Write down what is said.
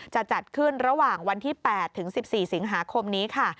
จะจัดขึ้นระหว่างวันที่๘ถึง๑๔สิงหาคมนี้ค่ะ